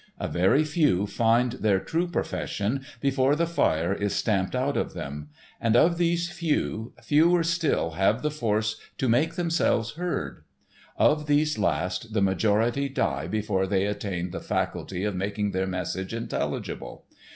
A very few find their true profession before the fire is stamped out of them; of these few, fewer still have the force to make themselves heard. Of these last the majority die before they attain the faculty of making their message intelligible.